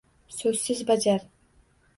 So‘zsiz bajar.